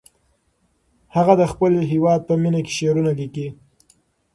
هغه د خپل هېواد په مینه کې شعرونه لیکي.